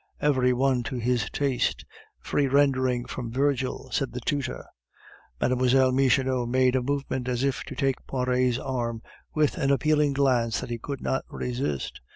"Every one to his taste free rendering from Virgil," said the tutor. Mlle. Michonneau made a movement as if to take Poiret's arm, with an appealing glance that he could not resist.